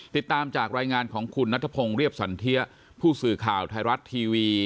ติดตามจากรายงานของคุณนัทพงศ์เรียบสันเทียผู้สื่อข่าวไทยรัฐทีวี